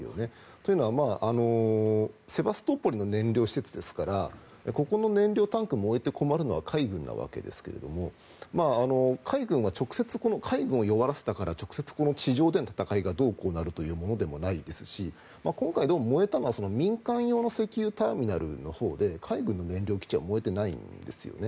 というのはセバストポリの燃料施設ですからここの燃料タンクが燃えて困るのは海軍なわけですが海軍は直接、海軍を弱らせたから直接、地上での戦いがどうこうなるというものでもないですし今回、どうも燃えたのは民間用の石油ターミナルのほうで海軍の燃料基地は燃えてないんですよね。